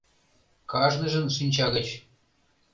Кажныжын шинча гыч